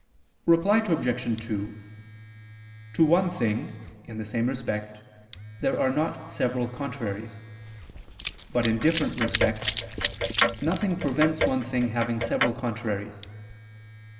Reply Obj. 2: To one thing, in the same respect, there are not several contraries; but in different respects nothing prevents one thing having several contraries.